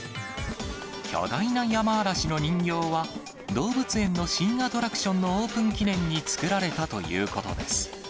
巨大なヤマアラシの人形は、動物園の新アトラクションのオープン記念に作られたということです。